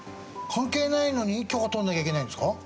関係ないのに許可取らなきゃいけないんですか？